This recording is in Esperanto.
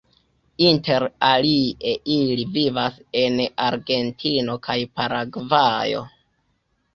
Inter alie ili vivas en Argentino kaj Paragvajo.